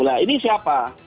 nah ini siapa